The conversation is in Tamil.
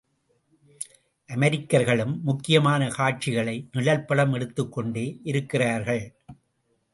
அமெரிக்கர்களும் முக்கியமான காட்சிகளை நிழழ்படம் எடுத்துக்கொண்டே இருக்கிறார்கள்.